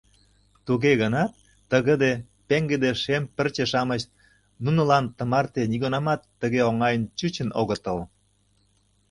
Туге гынат тыгыде, пеҥгыде шем пырче-шамыч нунылан тымарте нигунамат тыге оҥайын чучын огытыл.